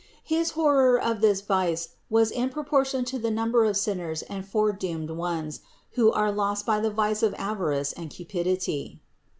His horror of this vice was in pro portion to the number of sinners and foredoomed ones, who are lost by the vice of avarice and cupidity.